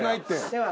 では。